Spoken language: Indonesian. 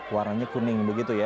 warnanya kuning begitu ya